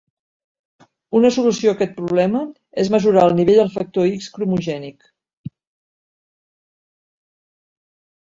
Una solució a aquest problema és mesurar el nivell del factor X cromogènic.